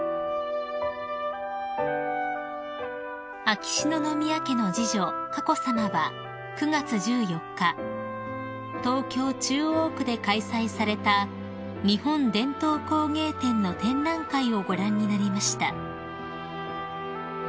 ［秋篠宮家の次女佳子さまは９月１４日東京中央区で開催された日本伝統工芸展の展覧会をご覧になりました］